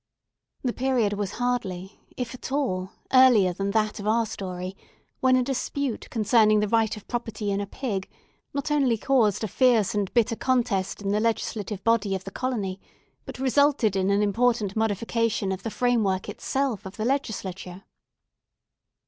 The period was hardly, if at all, earlier than that of our story, when a dispute concerning the right of property in a pig not only caused a fierce and bitter contest in the legislative body of the colony, but resulted in an important modification of the framework itself of the legislature.